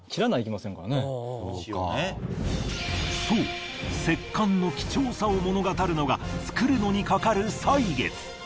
そう石棺の貴重さを物語るのが造るのにかかる歳月。